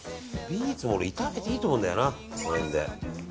ビーツも炒めていいと思うんだよな。